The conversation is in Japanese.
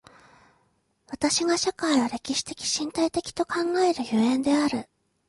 私が社会を歴史的身体的と考える所以である。